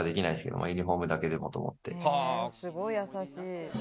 「へえすごい優しい」